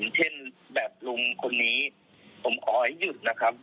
เช่นแบบลุงคนนี้ผมขอให้หยุดนะครับ